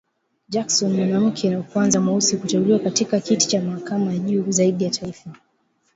Jackson, mwanamke wa kwanza mweusi kuteuliwa katika kiti cha mahakama ya juu zaidi ya taifa.